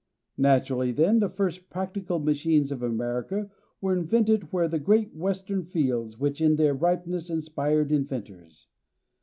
Naturally, then, the first practical machines of America were invented where the great Western fields, which, in their ripeness, inspired inventors.